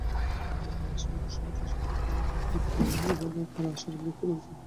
মামলার রায়ে আসামিদের সর্বোচ্চ সাজা প্রতিফলন হবে বলে তাঁরা আশাবাদ ব্যক্ত করেছেন।